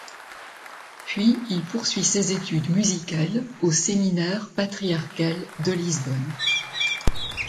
Puis il poursuit ses études musicales au Séminaire Patriarcal de Lisbonne.